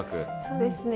そうですね。